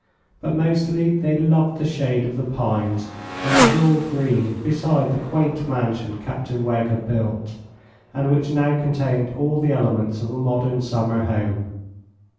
But mostly they loved the shade of the pines and the broad green beside the quaint mansion Captain Wegg had built, and which now contained all the elements of a modern summer home.